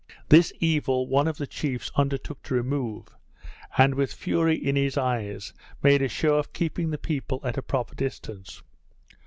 This evil one of the chiefs undertook to remove, and with fury in his eyes made a shew of keeping the people at a proper distance.